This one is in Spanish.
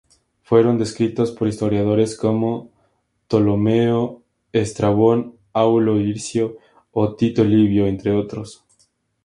Fueron descritos por historiadores como Ptolomeo, Estrabón, Aulo Hircio o Tito Livio entre otros.